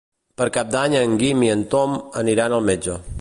Per Cap d'Any en Guim i en Tom aniran al metge.